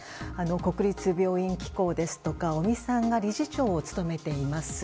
国立病院機構ですとか尾身さんが理事長を務めています